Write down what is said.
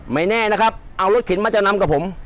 ไม่แน่นะครับเอารถเข็นมาจำนำกับผม